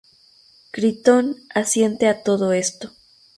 Critón asiente a todo esto.